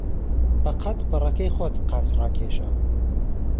به قهد بهڕهکهی خۆت قاچ ڕاکێشه